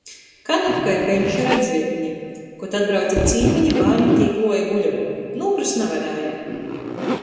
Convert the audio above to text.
Kanopka ir beņčs ar atzveļtni. Kod atbrauce cīmeni, bārnim tī kluoja guļamū - nūkrist navarēja.